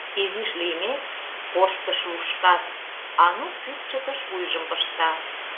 Изиш лиймек, корштыш лушкат, Анук кӱпчыкыш вуйжым пышта.